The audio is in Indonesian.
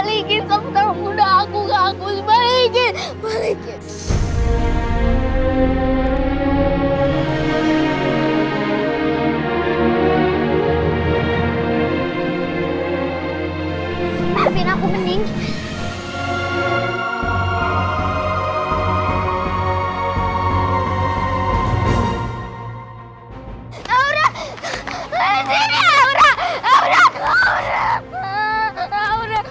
ini cuma barang satu satunya punya bunda yang aku punya